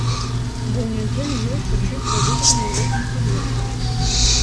Бо ў нядзелю ёй сачыць за выбарамі ў родным каледжы.